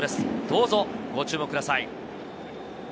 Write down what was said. どうぞご注目ください。